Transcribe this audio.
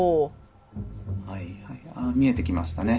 はいはいあ見えてきましたね。